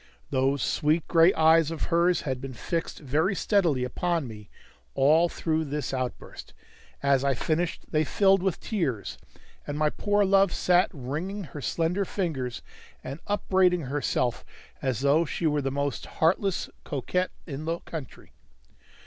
Those sweet gray eyes of hers had been fixed very steadily upon me all through this outburst; as I finished they filled with tears, and my poor love sat wringing her slender fingers, and upbraiding herself as though she were the most heartless coquette in the country.